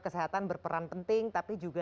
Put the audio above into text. kesehatan berperan penting tapi juga